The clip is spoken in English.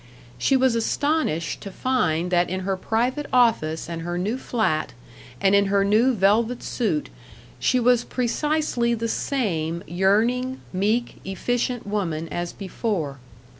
She was astonished to find that in her private office and her new flat, and in her new velvet suit she was precisely the same yearning, meek, efficient woman as before.